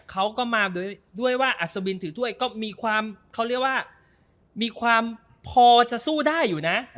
กล้ามาด้วยที่อัสโวินถือด้วยก็มีความพอจะสู้ได้อยู่นะ